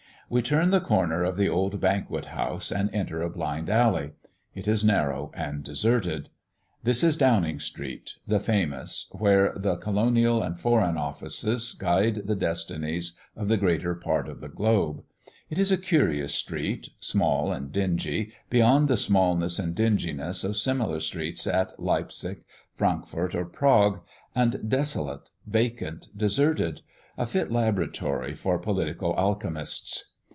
We turn the corner of the old Banquet house and enter a blind alley it is narrow and deserted. That is Downing Street the famous, where the Colonial and Foreign Offices guide the destinies of the greater part of the globe. It is a curious street, small and dingy, beyond the smallness and dinginess of similar streets at Leipzig, Frankfort, or Prague, and desolate, vacant, deserted a fit laboratory for political alchemists.